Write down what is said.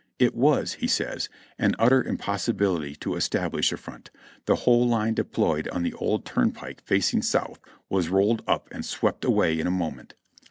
"It was," he says, "an utter impossibility to establish a front; the whole line deployed on the old turnpike facing south was rolled up and swept away in a moment.